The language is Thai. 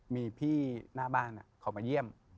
มีพี่หน้าบ้านเขามาเยี่ยม